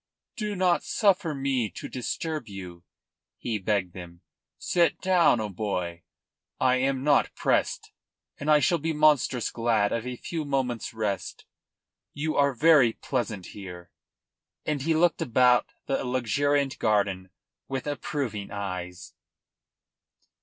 "Do not suffer me to disturb you," he begged them. "Sit down, O'Moy. I am not pressed, and I shall be monstrous glad of a few moments' rest. You are very pleasant here," and he looked about the luxuriant garden with approving eyes.